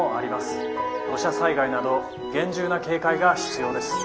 土砂災害など厳重な警戒が必要です。